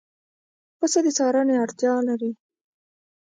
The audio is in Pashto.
پسه د څارنې اړتیا لري.